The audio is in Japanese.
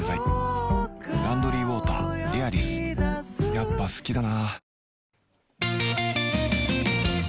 やっぱ好きだな